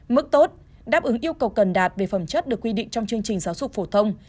mức tốt đáp ứng yêu cầu cần đạt về phẩm chất được quy định trong chương trình giáo dục phổ thông